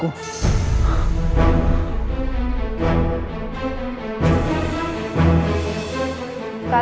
kau tidak boleh mengejek